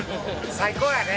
最高やね。